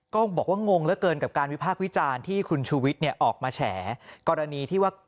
ก็บอกว่างงเกินกับการวิพาควิจารณ์ที่คุณฉูย์วิทย์นี่ออกมาแฉกรณีที่ว่า